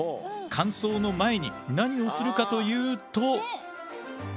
乾燥の前に何をするかというと。